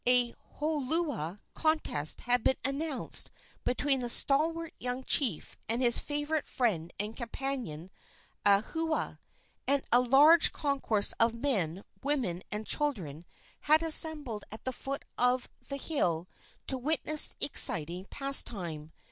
A holua contest had been announced between the stalwart young chief and his favorite friend and companion, Ahua, and a large concourse of men, women and children had assembled at the foot of the hill to witness the exciting pastime.